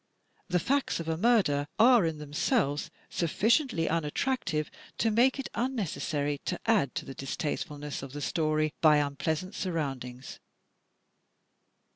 The facts of a murder are in themselves suf ficiently unattractive to make it unnecessary to add to the distastefulness of the story by unpleasant surroundings.